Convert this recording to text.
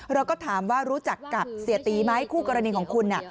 เราก็ถามว่ารู้จักกับเสียตีไหมคู่กรณีของคุณ